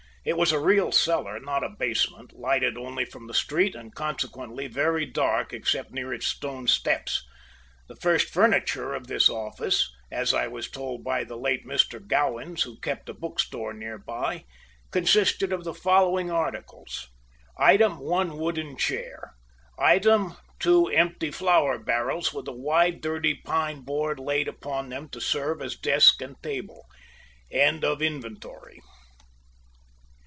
It was a real cellar, not a basement, lighted only from the street, and consequently very dark except near its stone steps. The first furniture of this office, as I was told by the late Mr. Gowans, who kept a bookstore near by, consisted of the following articles: Item, one wooden chair. Item, two empty flour barrels with a wide, dirty pine board laid upon them, to serve as desk and table. End of the inventory.